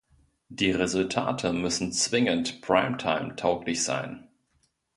Die Resultate müssen zwingend „Prime Time“-tauglich sein.